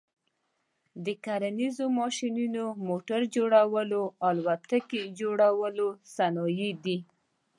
د کرنیز ماشینو، موټر جوړلو او الوتکي جوړلو صنایع دي.